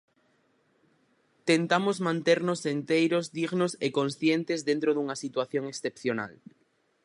Tentamos manternos enteiros, dignos e conscientes dentro dunha situación excepcional.